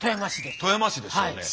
富山市ですよね。